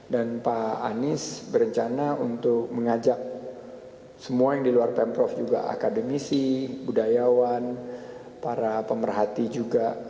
dan pak anies berencana untuk mengajak semua yang di luar pemprov juga akademisi budayawan para pemerhati juga